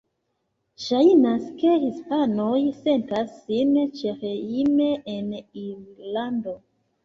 Ŝajnas, ke hispanoj sentas sin ĉehejme en Irlando.